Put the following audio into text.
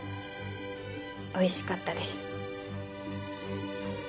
おいしかったです。